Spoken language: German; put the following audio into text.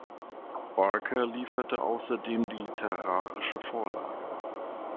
Barker lieferte außerdem die literarische Vorlage.